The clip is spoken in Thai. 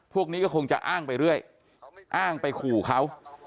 พวกนี้ก็คงจะอ้างไปเรื่อยอ้างไปขู่เขา